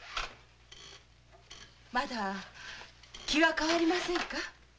まだ気は変わりませんか？